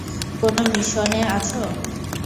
কোনো মিশনে আছো?